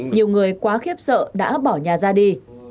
nhiều người quá khiếp sợ đã bỏ nhà ra đi